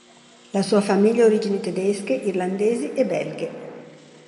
La sua famiglia ha origini tedesche, irlandesi e belghe.